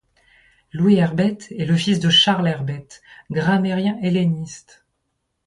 Louis Herbette est le fils de Charles Herbette, grammairien helléniste.